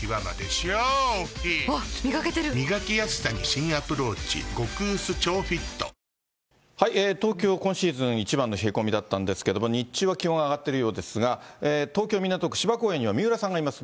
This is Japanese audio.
新「アタックＺＥＲＯ」東京、今シーズン一番の冷え込みだったんですけれども、日中は気温が上がっているようですが、東京・港区芝公園には三浦さんがいます。